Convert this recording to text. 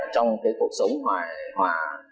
trong cuộc sống hoài hòa